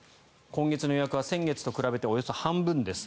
今月の予約は先月と比べておよそ半分です